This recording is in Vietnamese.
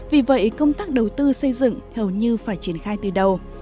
vì vậy công tác đầu tư xây dựng hầu như phải triển khai từ đầu